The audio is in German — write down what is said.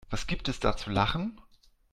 Was gibt es da zu lachen?